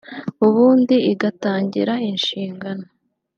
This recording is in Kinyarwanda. ubundi igatangira inshingano